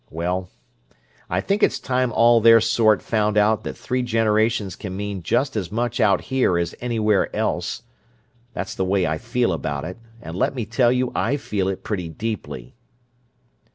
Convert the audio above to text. Well, I think it's time all their sort found out that three generations can mean just as much out here as anywhere else. That's the way I feel about it, and let me tell you I feel it pretty deeply!"